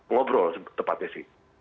ngobrol tepatnya sih